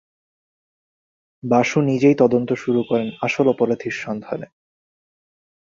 বাসু নিজেই তদন্ত শুরু করেন আসল অপরাধীর সন্ধানে।